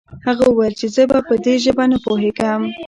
هغه وويل چې زه په دې ژبه نه پوهېږم.